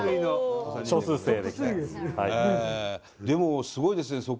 でもすごいですね